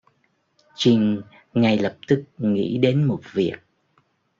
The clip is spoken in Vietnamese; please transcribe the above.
Chinh ngay lập tức nghĩ đến một việc